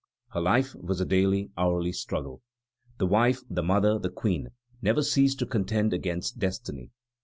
Her life was a daily, hourly struggle. The wife, the mother, the queen, never ceased to contend against destiny.